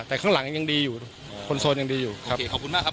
แต่ข้างหลังยังดีอยู่คนโซนยังดีอยู่โอเคขอบคุณมากครับ